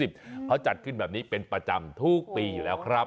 เขาจัดขึ้นแบบนี้เป็นประจำทุกปีอยู่แล้วครับ